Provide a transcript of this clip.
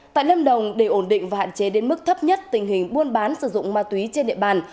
tại lâm đồng để ổn định và hạn chế đến mức thấp nhất tình hình buôn bán sử dụng ma túy trên địa bàn